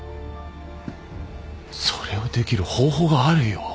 それをできる方法があるよ。